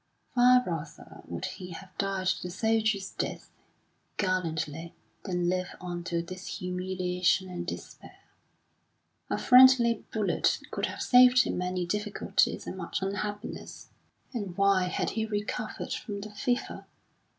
Far rather would he have died the soldier's death, gallantly, than live on to this humiliation and despair. A friendly bullet could have saved him many difficulties and much unhappiness. And why had he recovered from the fever?